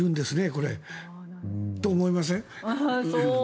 これ。と思いません？